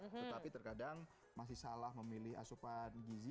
tetapi terkadang masih salah memilih asupan gizi